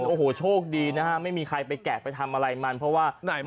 โอ้โหโชคดีนะฮะไม่มีใครไปแกะไปทำอะไรมันเพราะว่าไหน